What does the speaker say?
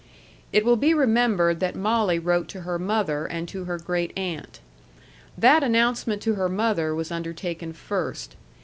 It will be remembered that Molly wrote to her mother, and to her great aunt. That announcement to her mother was undertaken first.